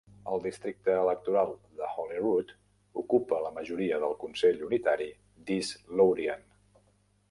El districte electoral de Holyrood ocupa la majoria del consell unitari d'East Lothian.